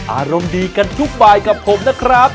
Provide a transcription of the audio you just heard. อารมณ์ดีกันทุกบายกับผมนะครับ